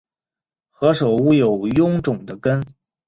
何首乌有臃肿的根